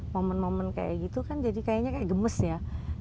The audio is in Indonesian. momen momen kayak gitu kan jadi kayaknya kayak gemes ya